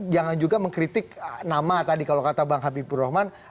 jangan juga mengkritik nama tadi kalau kata bang habibur rahman